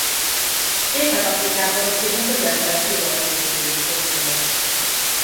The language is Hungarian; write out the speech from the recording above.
Észak-Afrikában és a Közel-Kelet nyugati részén is őshonos.